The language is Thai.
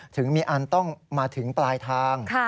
ถึงมีอันต้องมาถึงปลายทาง